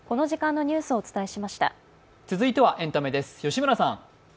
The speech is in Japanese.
続いてはエンタメです、吉村さん。